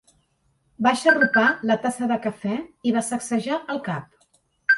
Va xarrupar la tassa de cafè i va sacsejar el cap.